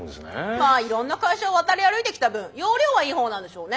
まあいろんな会社を渡り歩いてきた分要領はいいほうなんでしょうね。